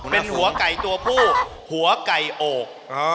เป็นหัวไก่ตัวผู้หัวไก่อก